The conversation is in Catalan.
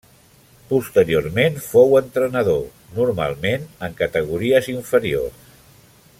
Posteriorment fou entrenador, normalment en categories inferiors.